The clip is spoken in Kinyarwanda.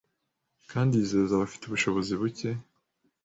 kandi yizeza abafite ubushobozi buke